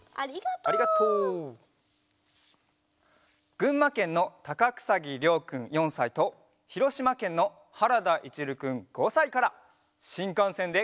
ぐんまけんのたかくさぎりょうくん４さいとひろしまけんのはらだいちるくん５さいから「新幹線でゴー！